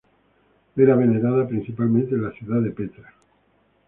Era venerada principalmente en la ciudad de Petra.